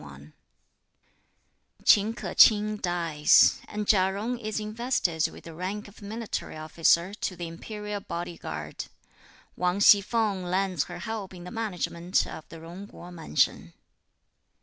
Ch'in K'o ch'ing dies, and Chia Jung is invested with the rank of military officer to the Imperial Body guard. Wang Hsi feng lends her help in the management of the Jung Kuo Mansion.